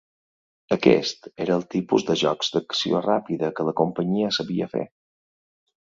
Aquest era el tipus de jocs d'acció ràpida que la companyia sabia fer.